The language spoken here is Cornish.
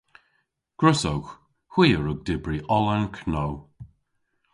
Gwrussowgh. Hwi a wrug dybri oll an know.